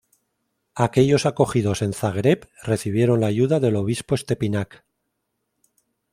Aquellos acogidos en Zagreb recibieron la ayuda del obispo Stepinac.